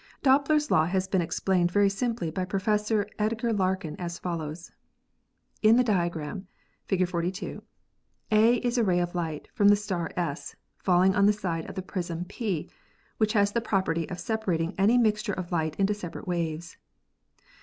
Doppler's law has been explained very simply by Prof. Edgar Larkin as follows: "In the diagram (Fig. 42) A is a ray of light from the star S, falling on the side of the prism P, which has the property of separating any mixture of light into separate waves.